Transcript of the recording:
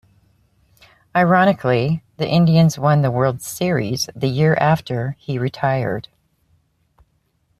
Ironically, the Indians won the World Series the year after he retired.